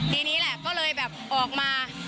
ทีนี้แหละก็เลยแบบออกมา